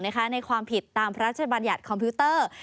ความผิดตามพระราชบัญญัติคอมพิวเตอร์